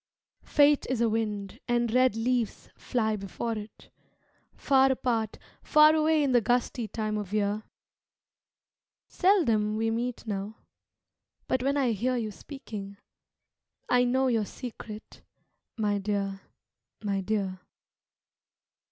Fate is a wind, and red leaves fly before it Far apart, far away in the gusty time of year Seldom we meet now, but when I hear you speaking, I know your secret, my dear, my dear.